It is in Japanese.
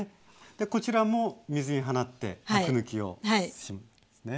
でこちらも水に放ってアク抜きをしますね。